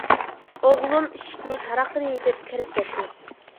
ئوغلۇم ئىشىكنى تاراققىدە يېپىپ كىرىپ كەتتى.